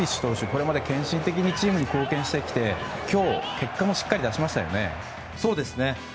これまで献身的にチームに貢献してきて今日結果も出しましたね。